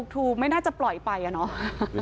ถูกไม่น่าจะปล่อยไปอะเนาะ